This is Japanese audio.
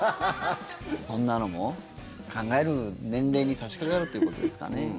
こんなのも考える年齢に差しかかるっていうことですかね。